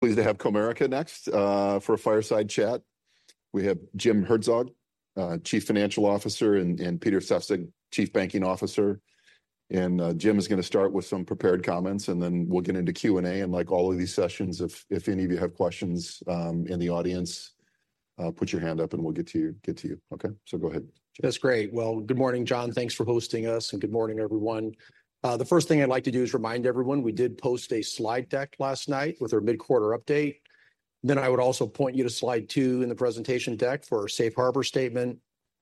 Pleased to have Comerica next for a fireside chat. We have Jim Herzog, Chief Financial Officer, and Peter Sefzik, Chief Banking Officer. Jim is gonna start with some prepared comments, and then we'll get into Q&A. Like all of these sessions, if any of you have questions in the audience, put your hand up, and we'll get to you, get to you. Okay? So go ahead. That's great. Well, good morning, Jon. Thanks for hosting us, and good morning, everyone. The first thing I'd like to do is remind everyone we did post a slide deck last night with our mid-quarter update. Then I would also point you to slide two in the presentation deck for our Safe Harbor statement.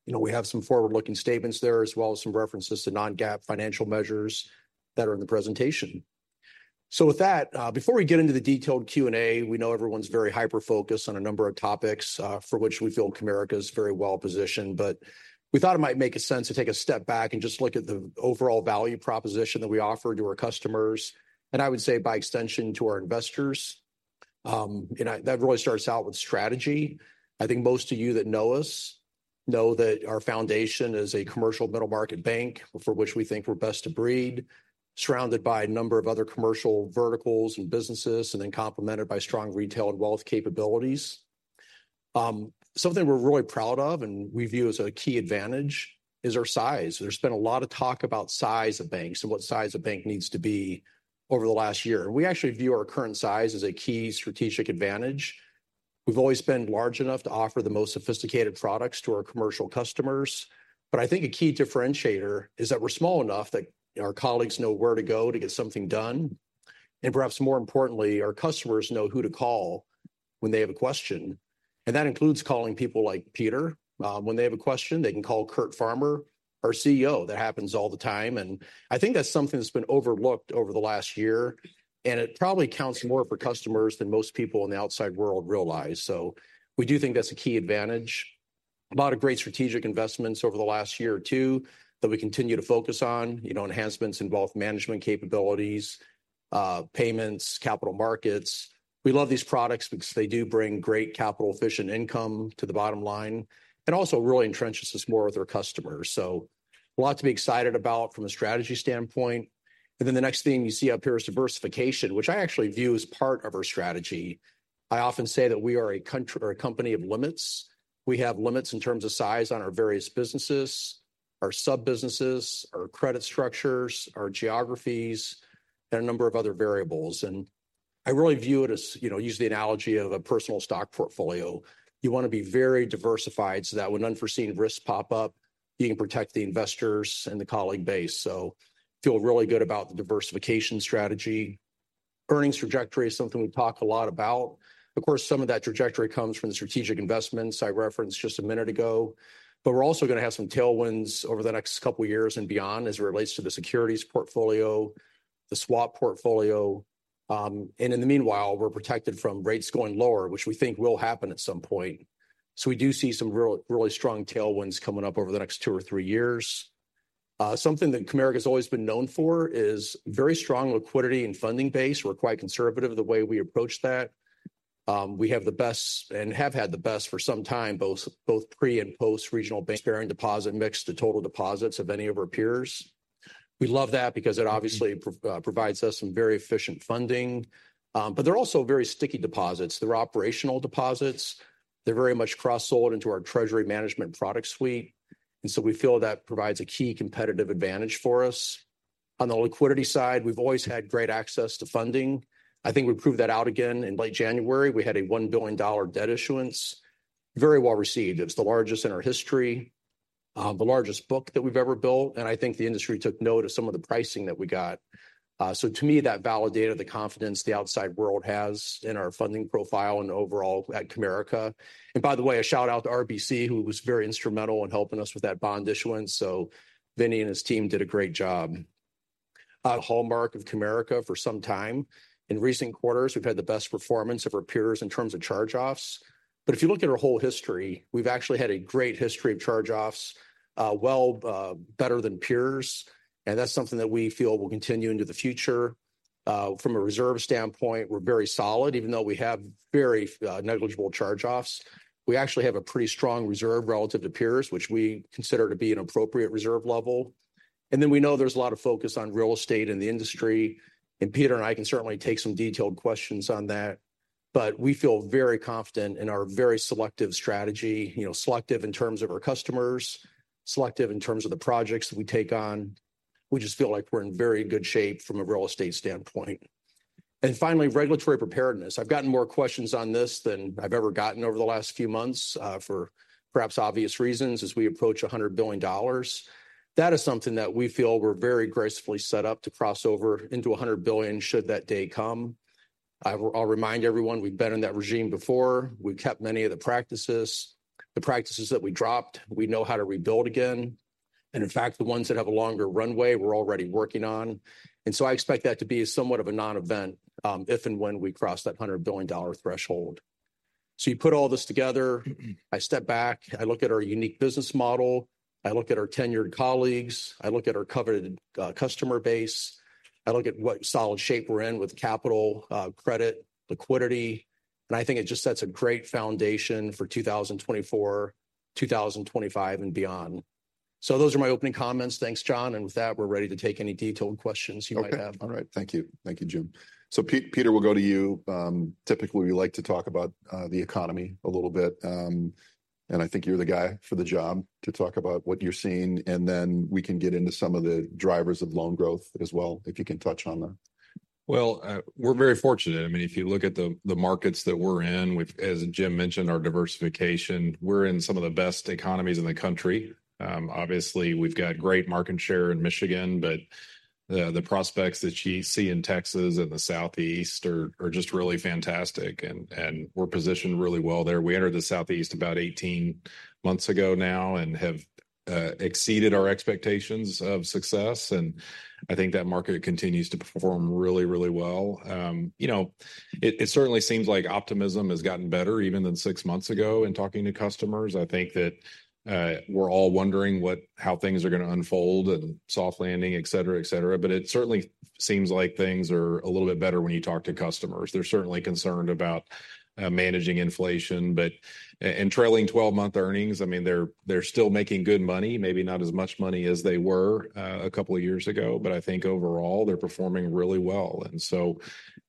You know, we have some forward-looking statements there, as well as some references to non-GAAP financial measures that are in the presentation. So with that, before we get into the detailed Q&A, we know everyone's very hyper-focused on a number of topics for which we feel Comerica is very well positioned. But we thought it might make sense to take a step back and just look at the overall value proposition that we offer to our customers, and I would say by extension, to our investors. That really starts out with strategy. I think most of you that know us, know that our foundation is a commercial middle-market bank, for which we think we're best of breed, surrounded by a number of other commercial verticals and businesses, and then complemented by strong retail and wealth capabilities. Something we're really proud of, and we view as a key advantage, is our size. There's been a lot of talk about size of banks and what size a bank needs to be over the last year. We actually view our current size as a key strategic advantage. We've always been large enough to offer the most sophisticated products to our commercial customers, but I think a key differentiator is that we're small enough that our colleagues know where to go to get something done, and perhaps more importantly, our customers know who to call when they have a question, and that includes calling people like Peter. When they have a question, they can call Curt Farmer, our CEO. That happens all the time, and I think that's something that's been overlooked over the last year, and it probably counts more for customers than most people in the outside world realize. So we do think that's a key advantage. A lot of great strategic investments over the last year or two that we continue to focus on, you know, enhancements in both management capabilities, payments, capital markets. We love these products because they do bring great capital-efficient income to the bottom line, and also really entrenches us more with our customers. So a lot to be excited about from a strategy standpoint. And then the next thing you see up here is diversification, which I actually view as part of our strategy. I often say that we are a country, or a company of limits. We have limits in terms of size on our various businesses, our sub-businesses, our credit structures, our geographies, and a number of other variables. And I really view it as, you know, use the analogy of a personal stock portfolio. You want to be very diversified so that when unforeseen risks pop up, you can protect the investors and the colleague base. So feel really good about the diversification strategy. Earnings trajectory is something we talk a lot about. Of course, some of that trajectory comes from the strategic investments I referenced just a minute ago, but we're also gonna have some tailwinds over the next couple of years and beyond as it relates to the securities portfolio, the swap portfolio. In the meanwhile, we're protected from rates going lower, which we think will happen at some point. So we do see some really strong tailwinds coming up over the next two or three years. Something that Comerica has always been known for is very strong liquidity and funding base. We're quite conservative in the way we approach that. We have the best and have had the best for some time, both pre and post regional banks bearing deposit mix to total deposits of any of our peers. We love that because it obviously provides us some very efficient funding, but they're also very sticky deposits. They're operational deposits. They're very much cross-sold into our treasury management product suite, and so we feel that provides a key competitive advantage for us. On the liquidity side, we've always had great access to funding. I think we proved that out again in late January. We had a $1 billion debt issuance, very well-received. It's the largest in our history, the largest book that we've ever built, and I think the industry took note of some of the pricing that we got. So to me, that validated the confidence the outside world has in our funding profile and overall at Comerica. And by the way, a shout-out to RBC, who was very instrumental in helping us with that bond issuance. So Vinnie and his team did a great job. A hallmark of Comerica for some time. In recent quarters, we've had the best performance of our peers in terms of charge-offs. But if you look at our whole history, we've actually had a great history of charge-offs, well, better than peers, and that's something that we feel will continue into the future. From a reserve standpoint, we're very solid. Even though we have very, negligible charge-offs, we actually have a pretty strong reserve relative to peers, which we consider to be an appropriate reserve level. And then we know there's a lot of focus on real estate in the industry, and Peter and I can certainly take some detailed questions on that, but we feel very confident in our very selective strategy. You know, selective in terms of our customers, selective in terms of the projects that we take on. We just feel like we're in very good shape from a real estate standpoint. And finally, regulatory preparedness. I've gotten more questions on this than I've ever gotten over the last few months, for perhaps obvious reasons as we approach $100 billion. That is something that we feel we're very gracefully set up to cross over into $100 billion should that day come. I'll, I'll remind everyone, we've been in that regime before. We've kept many of the practices. The practices that we dropped, we know how to rebuild again. And in fact, the ones that have a longer runway, we're already working on. And so I expect that to be somewhat of a non-event, if and when we cross that $100 billion threshold. So you put all this together, I step back, I look at our unique business model, I look at our tenured colleagues, I look at our coveted, customer base, I look at what solid shape we're in with capital, credit, liquidity, and I think it just sets a great foundation for 2024, 2025, and beyond. So those are my opening comments. Thanks, Jon, and with that, we're ready to take any detailed questions you might have. Okay. All right, thank you. Thank you, Jim. So Peter, we'll go to you. Typically, we like to talk about the economy a little bit, and I think you're the guy for the job to talk about what you're seeing, and then we can get into some of the drivers of loan growth as well, if you can touch on that. Well, we're very fortunate. I mean, if you look at the markets that we're in, we've, as Jim mentioned, our diversification, we're in some of the best economies in the country. Obviously, we've got great market share in Michigan, but the prospects that you see in Texas and the Southeast are just really fantastic, and we're positioned really well there. We entered the Southeast about 18 months ago now and have exceeded our expectations of success, and I think that market continues to perform really, really well. You know, it certainly seems like optimism has gotten better even than six months ago in talking to customers. I think that we're all wondering how things are gonna unfold, and soft landing, et cetera, et cetera, but it certainly seems like things are a little bit better when you talk to customers. They're certainly concerned about managing inflation, but and trailing 12-month earnings, I mean, they're still making good money, maybe not as much money as they were a couple of years ago, but I think overall they're performing really well. And so,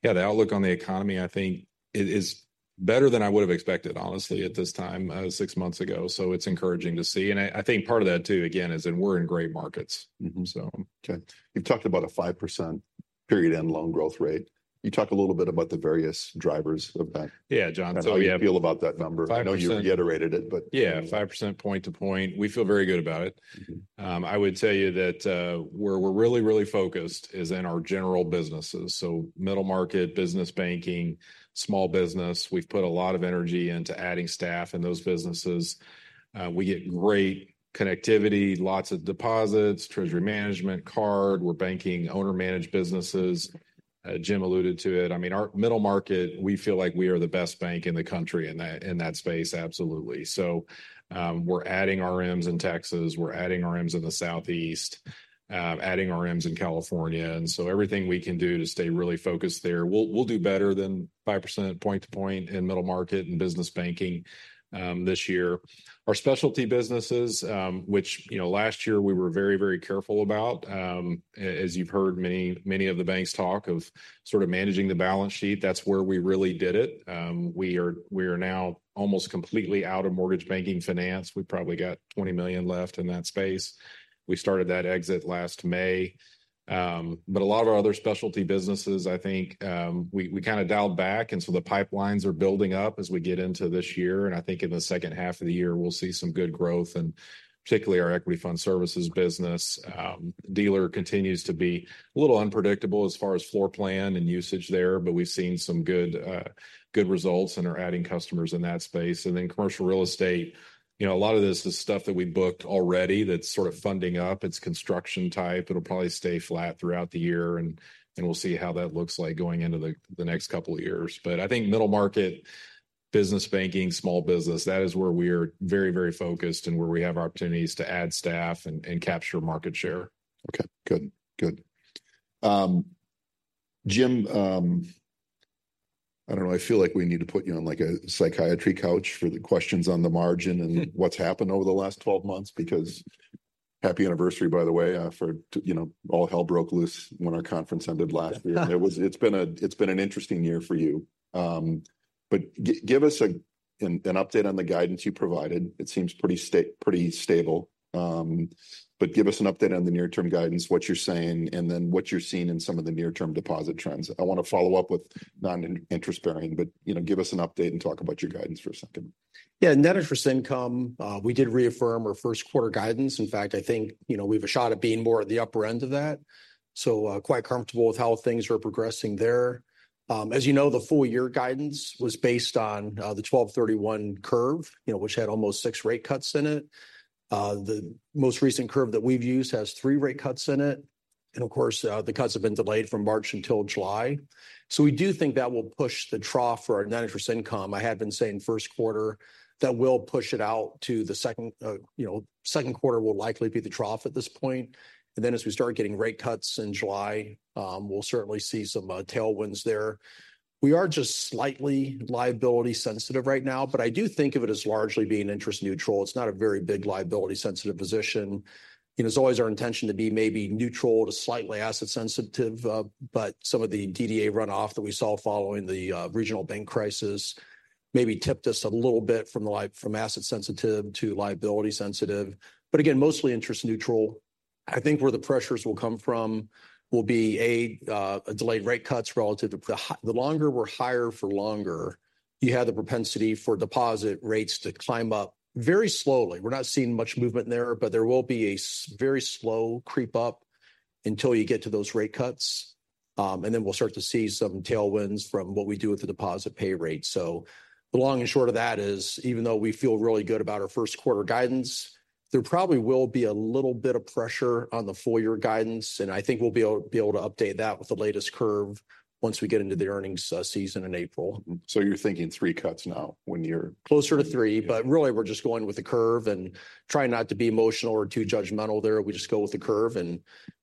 yeah, the outlook on the economy, I think it is better than I would've expected, honestly, at this time six months ago. So it's encouraging to see, and I think part of that, too, again, is that we're in great markets. Mm-hmm. So. Okay. You've talked about a 5% period-end loan growth rate. Can you talk a little bit about the various drivers of that? Yeah, Jon, so. How do you feel about that number? I know you reiterated it, but. Yeah, 5% point to point, we feel very good about it. Mm-hmm. I would tell you that, where we're really, really focused is in our general businesses, so middle market, business banking, small business. We've put a lot of energy into adding staff in those businesses. We get great connectivity, lots of deposits, treasury management, card. We're banking owner-managed businesses. Jim alluded to it. I mean, our middle market, we feel like we are the best bank in the country in that, in that space, absolutely. So, we're adding RMs in Texas, we're adding RMs in the Southeast, adding RMs in California, and so everything we can do to stay really focused there. We'll do better than 5% point to point in middle market and business banking this year. Our specialty businesses, which, you know, last year we were very, very careful about, as you've heard many, many of the banks talk of sort of managing the balance sheet, that's where we really did it. We are, we are now almost completely out of mortgage banking finance. We've probably got $20 million left in that space. We started that exit last May. But a lot of our other specialty businesses, I think, we, we kind of dialed back, and so the pipelines are building up as we get into this year, and I think in the second half of the year, we'll see some good growth, and particularly our Equity Fund Services business. Dealer continues to be a little unpredictable as far as floor plan and usage there, but we've seen some good, good results and are adding customers in that space. And then commercial real estate, you know, a lot of this is stuff that we booked already that's sort of funding up. It's construction-type. It'll probably stay flat throughout the year, and we'll see how that looks like going into the next couple of years. But I think middle market, business banking, small business, that is where we are very, very focused and where we have opportunities to add staff and capture market share. Okay, good. Good. Jim, I don't know. I feel like we need to put you on, like, a psychiatry couch for the questions on the margins and what's happened over the last 12 months, because happy anniversary, by the way, for, you know, all hell broke loose when our conference ended last year. It's been an interesting year for you. But give us an update on the guidance you provided. It seems pretty stable. But give us an update on the near-term guidance, what you're seeing, and then what you're seeing in some of the near-term deposit trends. I want to follow up with non-interest-bearing, but, you know, give us an update and talk about your guidance for a second. Yeah, net interest income, we did reaffirm our first quarter guidance. In fact, I think, you know, we've a shot at being more at the upper end of that, so, quite comfortable with how things are progressing there. As you know, the full-year guidance was based on the 12/31 curve, you know, which had almost six rate cuts in it. The most recent curve that we've used has three rate cuts in it, and of course, the cuts have been delayed from March until July. So we do think that will push the trough for our net interest income. I had been saying first quarter. That will push it out to the second, you know, second quarter will likely be the trough at this point, and then as we start getting rate cuts in July, we'll certainly see some tailwinds there. We are just slightly liability-sensitive right now, but I do think of it as largely being interest neutral. It's not a very big liability-sensitive position. You know, it's always our intention to be maybe neutral to slightly asset sensitive, but some of the DDA runoff that we saw following the regional bank crisis maybe tipped us a little bit from asset sensitive to liability sensitive, but again, mostly interest neutral. I think where the pressures will come from will be, A, delayed rate cuts relative to the. The longer we're higher for longer, you have the propensity for deposit rates to climb up very slowly. We're not seeing much movement there, but there will be a very slow creep up until you get to those rate cuts, and then we'll start to see some tailwinds from what we do with the deposit pay rate. So the long and short of that is, even though we feel really good about our first quarter guidance. There probably will be a little bit of pressure on the full-year guidance, and I think we'll be able, be able to update that with the latest curve once we get into the earnings season in April. Mm-hmm. So you're thinking three cuts now when you're. Closer to three. But really, we're just going with the curve and trying not to be emotional or too judgmental there. We just go with the curve, and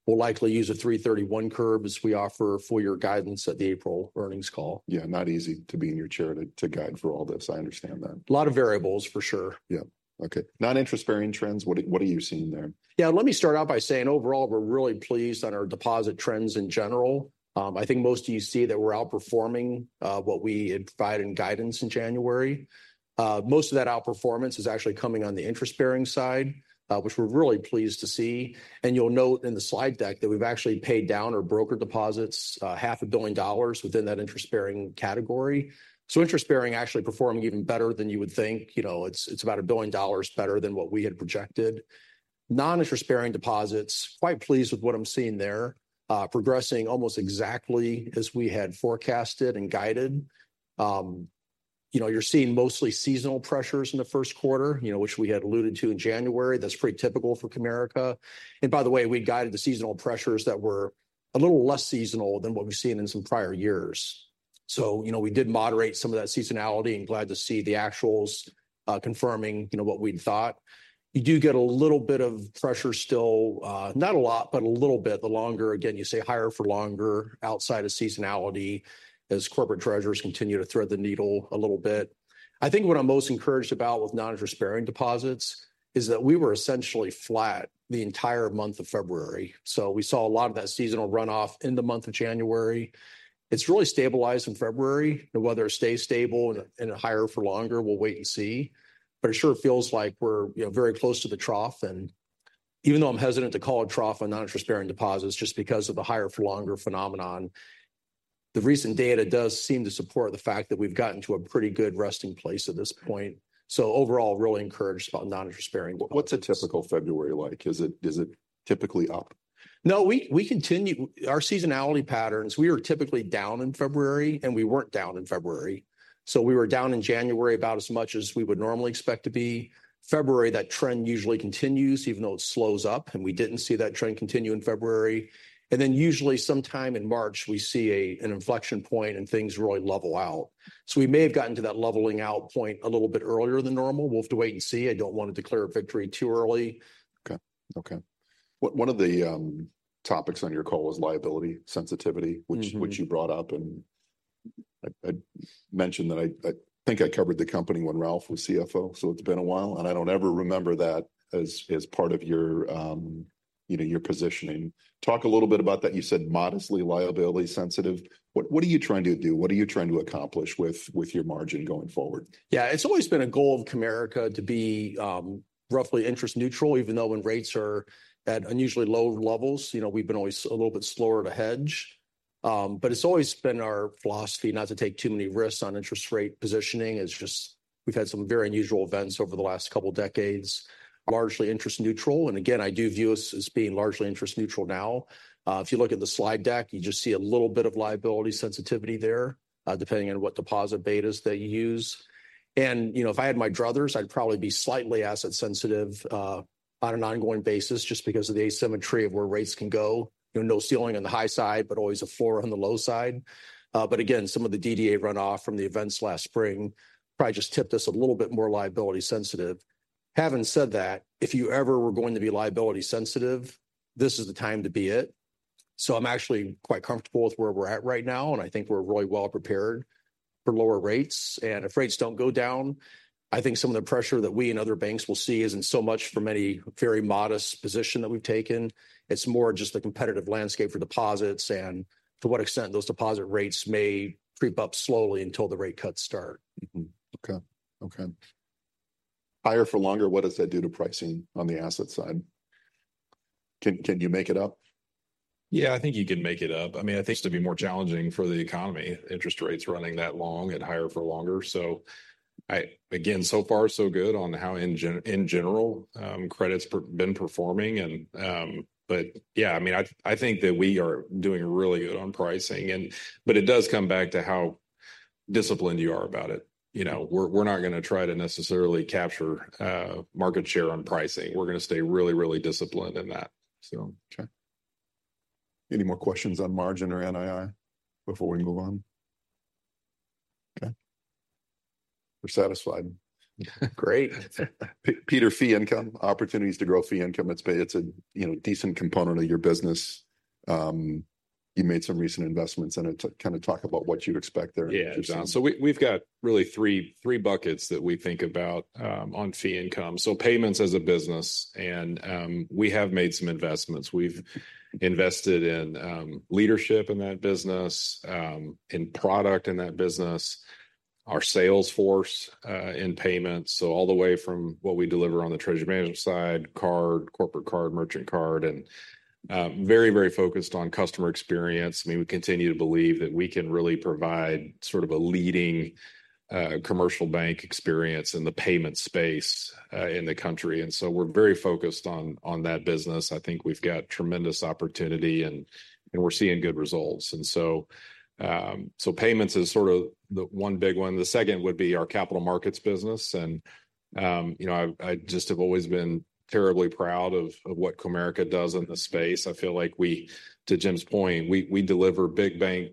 we'll likely use a 3.31 curve as we offer full-year guidance at the April earnings call. Yeah, not easy to be in your chair to, to guide for all this. I understand that. A lot of variables, for sure. Yeah. Okay. Non-interest-bearing trends, what are, what are you seeing there? Yeah, let me start out by saying, overall, we're really pleased on our deposit trends in general. I think most of you see that we're outperforming what we had provided in guidance in January. Most of that outperformance is actually coming on the interest-bearing side, which we're really pleased to see. You'll note in the slide deck that we've actually paid down our broker deposits $500 million within that interest-bearing category. Interest-bearing actually performing even better than you would think. You know, it's about $1 billion better than what we had projected. Non-interest-bearing deposits, quite pleased with what I'm seeing there, progressing almost exactly as we had forecasted and guided. You know, you're seeing mostly seasonal pressures in the first quarter, you know, which we had alluded to in January. That's pretty typical for Comerica. By the way, we'd guided the seasonal pressures that were a little less seasonal than what we've seen in some prior years. So, you know, we did moderate some of that seasonality, and glad to see the actuals, confirming, you know, what we'd thought. You do get a little bit of pressure still, not a lot, but a little bit, the longer, again, you stay higher for longer outside of seasonality, as corporate treasurers continue to thread the needle a little bit. I think what I'm most encouraged about with non-interest-bearing deposits is that we were essentially flat the entire month of February, so we saw a lot of that seasonal runoff in the month of January. It's really stabilized in February. Whether it stays stable and higher for longer, we'll wait and see. But it sure feels like we're, you know, very close to the trough. And even though I'm hesitant to call a trough on non-interest-bearing deposits just because of the higher-for-longer phenomenon, the recent data does seem to support the fact that we've gotten to a pretty good resting place at this point. So overall, really encouraged about non-interest-bearing. What, what's a typical February like? Is it typically up? No, we continue. Our seasonality patterns, we are typically down in February, and we weren't down in February. So we were down in January about as much as we would normally expect to be. February, that trend usually continues, even though it slows up, and we didn't see that trend continue in February. And then usually sometime in March, we see an inflection point, and things really level out. So we may have gotten to that leveling out point a little bit earlier than normal. We'll have to wait and see. I don't want to declare victory too early. Okay. One of the topics on your call was liability sensitivity. Mm-hmm Which you brought up, and I mentioned that I think I covered the company when Ralph was CFO, so it's been a while, and I don't ever remember that as part of your, you know, your positioning. Talk a little bit about that. You said modestly liability sensitive. What are you trying to do? What are you trying to accomplish with your margin going forward? Yeah, it's always been a goal of Comerica to be roughly interest neutral, even though when rates are at unusually low levels, you know, we've been always a little bit slower to hedge. But it's always been our philosophy not to take too many risks on interest rate positioning. It's just we've had some very unusual events over the last couple decades, largely interest neutral. And again, I do view us as being largely interest neutral now. If you look at the slide deck, you just see a little bit of liability sensitivity there, depending on what deposit betas that you use. And, you know, if I had my druthers, I'd probably be slightly asset sensitive on an ongoing basis just because of the asymmetry of where rates can go. You know, no ceiling on the high side, but always a floor on the low side. But again, some of the DDA runoff from the events last spring probably just tipped us a little bit more liability sensitive. Having said that, if you ever were going to be liability sensitive, this is the time to be it. So I'm actually quite comfortable with where we're at right now, and I think we're really well prepared for lower rates. And if rates don't go down, I think some of the pressure that we and other banks will see isn't so much from any very modest position that we've taken. It's more just the competitive landscape for deposits and to what extent those deposit rates may creep up slowly until the rate cuts start. Mm-hmm. Okay. Okay. Higher for longer, what does that do to pricing on the asset side? Can you make it up? Yeah, I think you can make it up. I mean, I think it's going to be more challenging for the economy, interest rates running that long and higher for longer. So I again, so far so good on how in general, credit's been performing. And, but yeah, I mean, I think that we are doing really good on pricing, and. But it does come back to how disciplined you are about it. You know, we're not going to try to necessarily capture market share on pricing. We're going to stay really, really disciplined in that, so. Okay. Any more questions on margin or NII before we move on? Okay. We're satisfied. Great. Peter, fee income, opportunities to grow fee income. It's a, you know, decent component of your business. You made some recent investments in it. Kind of talk about what you'd expect there in terms of- Yeah, so we've got really three buckets that we think about on fee income. So payments as a business, and we have made some investments. We've invested in leadership in that business, in product in that business, our sales force in payments, so all the way from what we deliver on the treasury management side, card, corporate card, merchant card. And very, very focused on customer experience. I mean, we continue to believe that we can really provide sort of a leading commercial bank experience in the payment space in the country. And so we're very focused on that business. I think we've got tremendous opportunity, and we're seeing good results. And so payments is sort of the one big one. The second would be our capital markets business. And, you know, I just have always been terribly proud of what Comerica does in the space. I feel like we, to Jim's point, we deliver big bank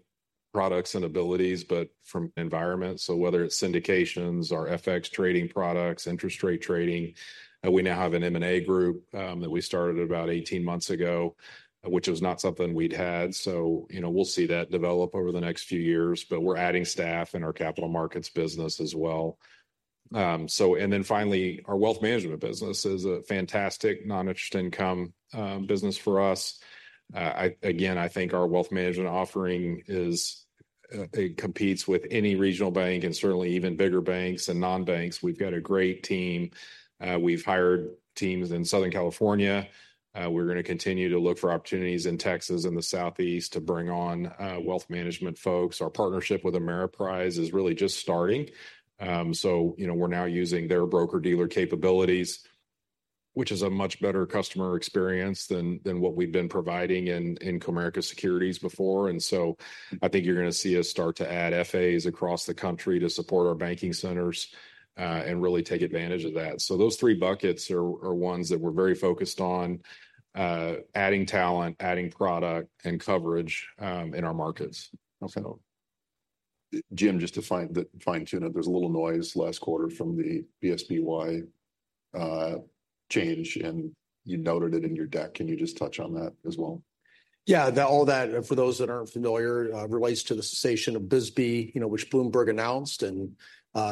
products and abilities, but from environment. So whether it's syndications or FX trading products, interest rate trading, we now have an M&A group that we started about 18 months ago, which was not something we'd had. So, you know, we'll see that develop over the next few years, but we're adding staff in our capital markets business as well. So and then finally, our wealth management business is a fantastic non-interest income business for us. I, again, I think our wealth management offering is it competes with any regional bank and certainly even bigger banks and non-banks. We've got a great team. We've hired teams in Southern California. We're gonna continue to look for opportunities in Texas and the Southeast to bring on wealth management folks. Our partnership with Ameriprise is really just starting. So, you know, we're now using their broker-dealer capabilities, which is a much better customer experience than what we've been providing in Comerica Securities before. And so I think you're gonna see us start to add FAs across the country to support our banking centers and really take advantage of that. So those three buckets are ones that we're very focused on, adding talent, adding product, and coverage in our markets. Okay. Jim, just to fine-tune it, there's a little noise last quarter from the BSBY change, and you noted it in your deck. Can you just touch on that as well? Yeah, all that, for those that aren't familiar, relates to the cessation of BSBY, you know, which Bloomberg announced.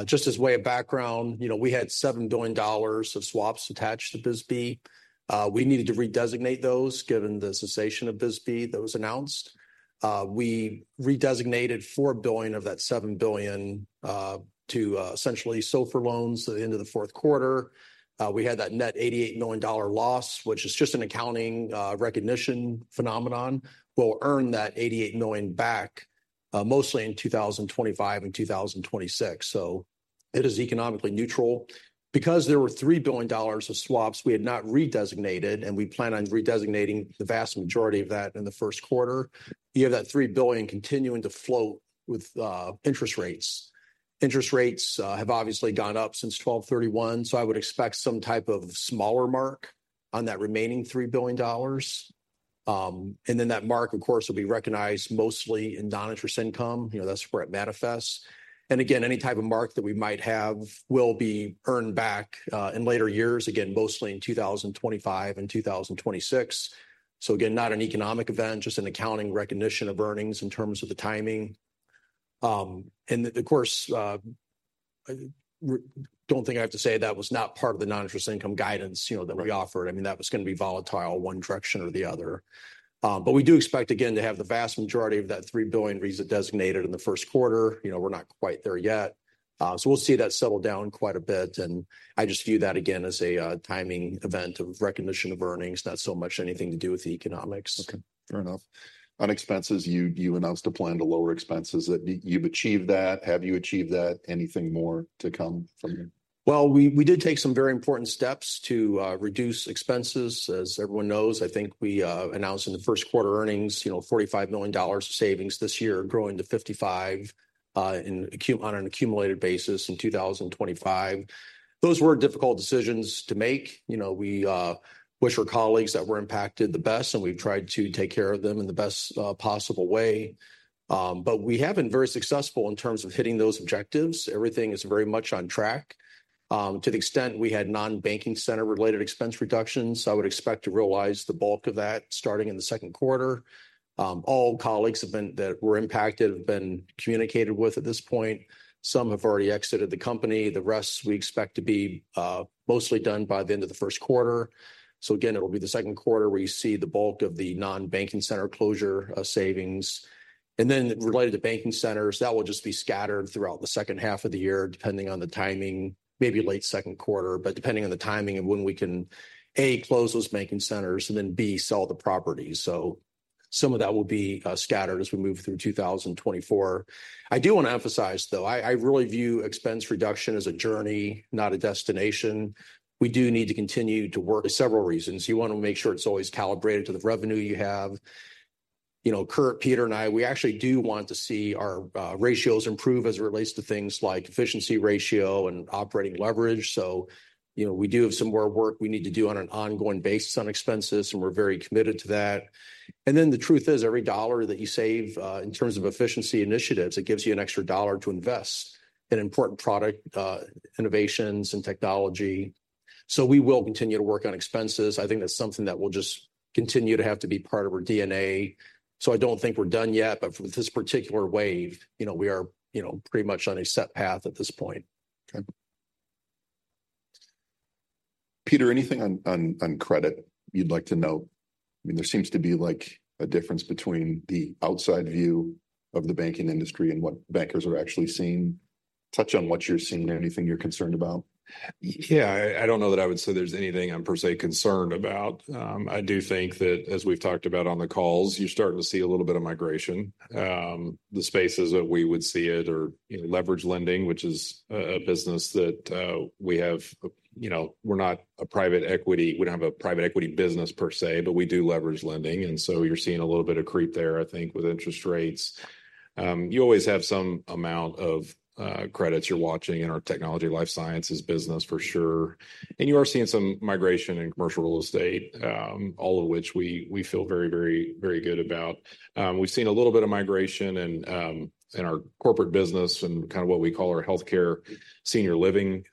Just by way of background, you know, we had $7 billion of swaps attached to BSBY. We needed to redesignate those, given the cessation of BSBY that was announced. We redesignated $4 billion of that $7 billion to essentially SOFR loans at the end of the fourth quarter. We had that net $88 million loss, which is just an accounting recognition phenomenon. We'll earn that $88 million back, mostly in 2025 and 2026. So it is economically neutral. Because there were $3 billion of swaps we had not redesignated, and we plan on redesignating the vast majority of that in the first quarter, you have that $3 billion continuing to float with interest rates. Interest rates, have obviously gone up since 12/31, so I would expect some type of smaller mark on that remaining $3 billion. And then that mark, of course, will be recognized mostly in non-interest income, you know, that's where it manifests. And again, any type of mark that we might have will be earned back, in later years, again, mostly in 2025 and 2026. So again, not an economic event, just an accounting recognition of earnings in terms of the timing. And of course, I don't think I have to say that was not part of the non-interest income guidance, you know, that we offered. Right. I mean, that was gonna be volatile one direction or the other. But we do expect, again, to have the vast majority of that $3 billion redesignated in the first quarter. You know, we're not quite there yet. So we'll see that settle down quite a bit, and I just view that, again, as a timing event of recognition of earnings, not so much anything to do with the economics. Okay, fair enough. On expenses, you, you announced a plan to lower expenses. That- you've achieved that. Have you achieved that? Anything more to come from you? Well, we did take some very important steps to reduce expenses. As everyone knows, I think we announced in the first quarter earnings, you know, $45 million of savings this year, growing to $55 million on an accumulated basis in 2025. Those were difficult decisions to make. You know, we wish our colleagues that were impacted the best, and we've tried to take care of them in the best possible way. But we have been very successful in terms of hitting those objectives. Everything is very much on track. To the extent we had non-banking center-related expense reductions, I would expect to realize the bulk of that starting in the second quarter. All colleagues that were impacted have been communicated with at this point. Some have already exited the company. The rest we expect to be mostly done by the end of the first quarter. So again, it will be the second quarter where you see the bulk of the non-banking center closure savings. And then related to banking centers, that will just be scattered throughout the second half of the year, depending on the timing, maybe late second quarter, but depending on the timing of when we can, A, close those banking centers, and then, B, sell the properties. So some of that will be scattered as we move through 2024. I do want to emphasize, though, I really view expense reduction as a journey, not a destination. We do need to continue to work several reasons. You want to make sure it's always calibrated to the revenue you have. You know, Curt, Peter, and I, we actually do want to see our ratios improve as it relates to things like efficiency ratio and operating leverage. So, you know, we do have some more work we need to do on an ongoing basis on expenses, and we're very committed to that. And then the truth is, every dollar that you save in terms of efficiency initiatives, it gives you an extra dollar to invest in important product innovations and technology. So we will continue to work on expenses. I think that's something that will just continue to have to be part of our DNA. So I don't think we're done yet, but for this particular wave, you know, we are, you know, pretty much on a set path at this point. Okay. Peter, anything on credit you'd like to note? I mean, there seems to be like a difference between the outside view of the banking industry and what bankers are actually seeing... touch on what you're seeing and anything you're concerned about? Yeah, I don't know that I would say there's anything I'm per se concerned about. I do think that, as we've talked about on the calls, you're starting to see a little bit of migration. The spaces that we would see it are, you know, leveraged lending, which is a business that we have, you know, we're not a private equity- we don't have a private equity business per se, but we do leveraged lending, and so you're seeing a little bit of creep there, I think, with interest rates. You always have some amount of credits you're watching in our technology/life sciences business, for sure. And you are seeing some migration in commercial real estate, all of which we feel very, very, very good about. We've seen a little bit of migration in, in our corporate business and kind of what we call our healthcare senior living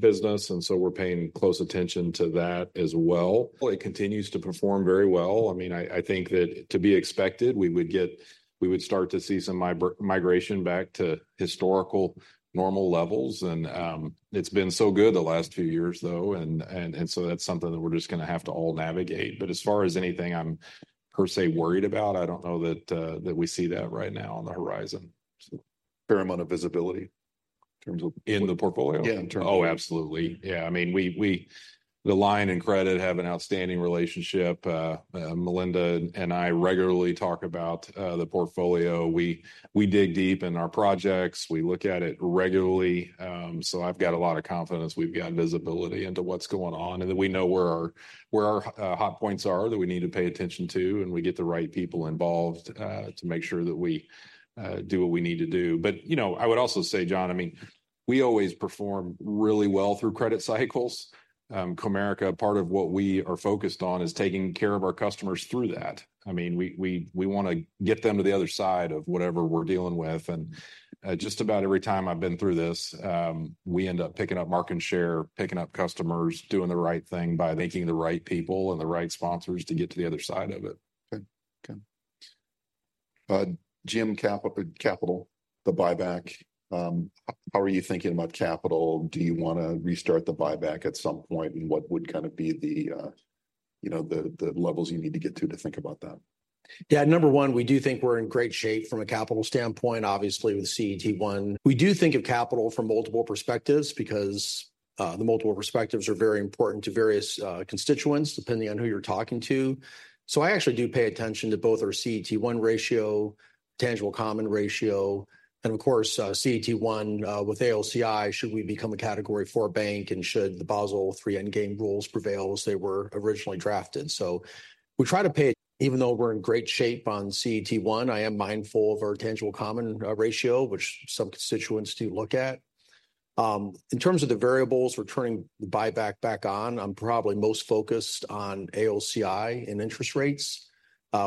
business, and so we're paying close attention to that as well. Well, it continues to perform very well. I mean, I think that to be expected, we would start to see some migration back to historical normal levels. And, it's been so good the last few years, though, and so that's something that we're just gonna have to all navigate. But as far as anything I'm per se worried about, I don't know that that we see that right now on the horizon. So fair amount of visibility in terms of. In the portfolio? Yeah, in terms of. Oh, absolutely. Yeah, I mean, we the lending and credit have an outstanding relationship. Melinda and I regularly talk about the portfolio. We dig deep in our projects. We look at it regularly. So I've got a lot of confidence we've got visibility into what's going on, and that we know where our hot points are that we need to pay attention to, and we get the right people involved to make sure that we do what we need to do. But, you know, I would also say, Jon, I mean, we always perform really well through credit cycles. Comerica, part of what we are focused on is taking care of our customers through that. I mean, we want to get them to the other side of whatever we're dealing with. Just about every time I've been through this, we end up picking up market share, picking up customers, doing the right thing by making the right people and the right sponsors to get to the other side of it. Okay. Okay. Jim, capital, the buyback. How are you thinking about capital? Do you want to restart the buyback at some point, and what would kind of be the, you know, the levels you need to get to to think about that? Yeah, number one, we do think we're in great shape from a capital standpoint, obviously with CET1. We do think of capital from multiple perspectives because the multiple perspectives are very important to various constituents, depending on who you're talking to. So I actually do pay attention to both our CET1 ratio, tangible common ratio, and of course, CET1 with AOCI, should we become a Category 4 bank, and should the Basel III Endgame rules prevail as they were originally drafted. So we try to pay, even though we're in great shape on CET1, I am mindful of our tangible common ratio, which some constituents do look at. In terms of the variables, we're turning the buyback back on. I'm probably most focused on AOCI and interest rates.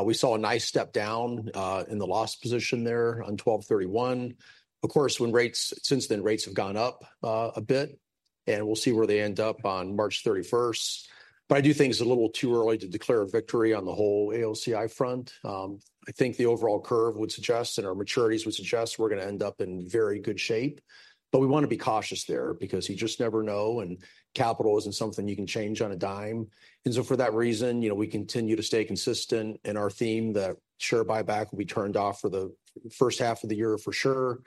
We saw a nice step down in the loss position there on 12/31. Of course, when rates since then, rates have gone up, a bit, and we'll see where they end up on March 31st. But I do think it's a little too early to declare victory on the whole AOCI front. I think the overall curve would suggest and our maturities would suggest we're gonna end up in very good shape, but we want to be cautious there because you just never know, and capital isn't something you can change on a dime. And so for that reason, you know, we continue to stay consistent in our theme that share buyback will be turned off for the first half of the year, for sure.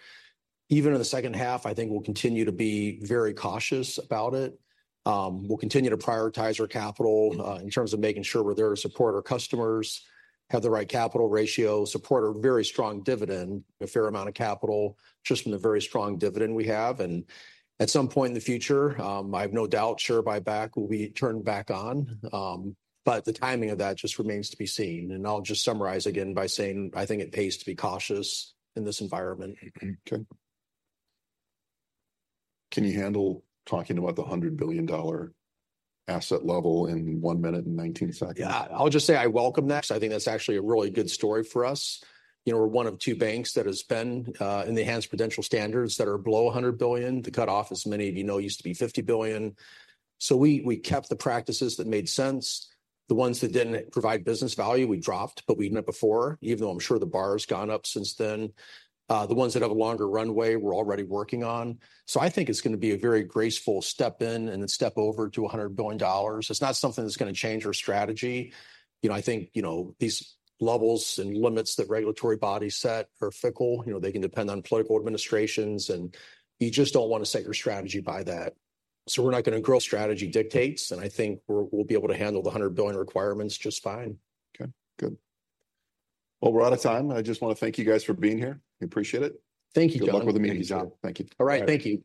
Even in the second half, I think we'll continue to be very cautious about it. We'll continue to prioritize our capital, in terms of making sure we're there to support our customers, have the right capital ratio, support our very strong dividend, a fair amount of capital just from the very strong dividend we have. And at some point in the future, I have no doubt share buyback will be turned back on. But the timing of that just remains to be seen. And I'll just summarize again by saying, I think it pays to be cautious in this environment. Okay. Can you handle talking about the $100 billion asset level in 1 minute and 19 seconds? Yeah, I'll just say I welcome that, because I think that's actually a really good story for us. You know, we're one of two banks that has been in the enhanced prudential standards that are below $100 billion. The cutoff, as many of you know, used to be $50 billion. So we, we kept the practices that made sense. The ones that didn't provide business value, we dropped, but we did it before, even though I'm sure the bar has gone up since then. The ones that have a longer runway, we're already working on. So I think it's gonna be a very graceful step in and then step over to $100 billion. It's not something that's gonna change our strategy. You know, I think, you know, these levels and limits that regulatory bodies set are fickle. You know, they can depend on political administrations, and you just don't want to set your strategy by that. So we're not gonna grow. Strategy dictates, and I think we'll be able to handle the $100 billion requirements just fine. Okay, good. Well, we're out of time, and I just want to thank you guys for being here. We appreciate it. Thank you, Jon. Good luck with the meeting, Jon. Thank you. All right, thank you.